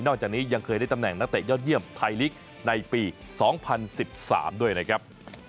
จากนี้ยังเคยได้ตำแหน่งนักเตะยอดเยี่ยมไทยลีกในปี๒๐๑๓ด้วยนะครับ